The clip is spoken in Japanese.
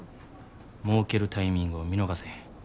もうけるタイミングを見逃せへん。